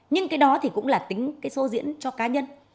nhưng cái đó thì cũng là tính cái số diễn cho cá nhân